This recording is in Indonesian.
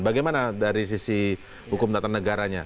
bagaimana dari sisi hukum tata negaranya